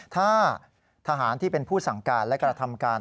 ถ้าทหารที่เป็นผู้สั่งการและกระทำการ